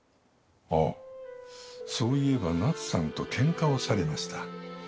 ああそういえば奈津さんと喧嘩をされました。